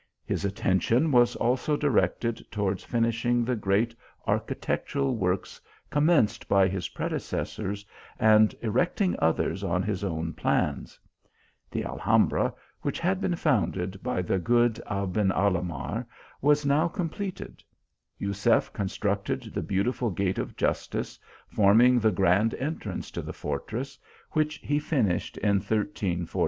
His attention was also directed towards finishing the great architectural works commenced by his predecessors, and erecting others on his own plans. The Alhambra, which had been founded by the JU8EF AB VL HA GIAS. 2 JO good Aben Alahmar, was now completed. Jusef constructed the beautiful gate of Justice, forming the grand entrance to the fortress, which he finished in 1 348.